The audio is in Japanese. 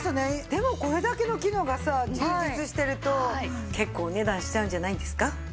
でもこれだけの機能がさ充実してると結構お値段しちゃうんじゃないですか？